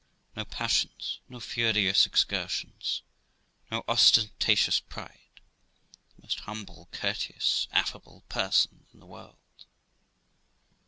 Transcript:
No passions, no furious excursions, no ostentatious pride ; the most humble, courteous, affable person in the world.